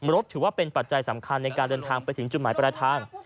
รถถือว่าเป็นปัจจัยสำคัญในการเดินทางไปถึงจุดหมายปลายทาง